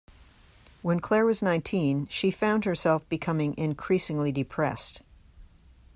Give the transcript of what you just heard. When Claire was nineteen she found herself becoming increasingly depressed